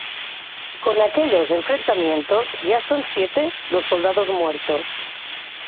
Con aquellos enfrentamientos ya son siete los soldados muertos.